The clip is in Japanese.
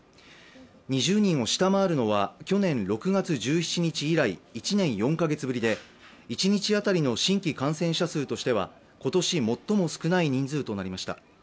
２０人を下回るのは去年６月１７日以来、１年４カ月ぶりで一日当たりの新規感染者数としては今年最も少ない人数となりました。